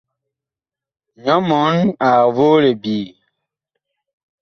Nyɔ mɔɔn ag voo libyee.